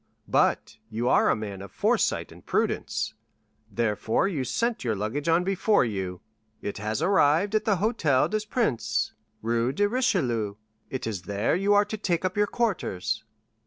"But you are a man of foresight and prudence, therefore you sent your luggage on before you. It has arrived at the Hôtel des Princes, Rue de Richelieu. It is there you are to take up your quarters."